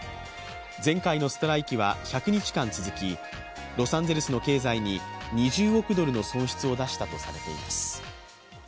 前回のストライキは１００日間続きロサンゼルスの経済に２０億ドルの損失を出したとされています。